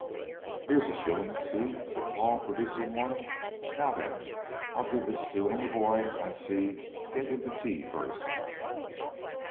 "Here's a shilling, see," said Paul, producing one. "Now then, I'll give this to any boy I see get into tea first!"